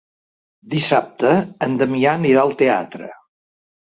Dissabte en Damià anirà al teatre.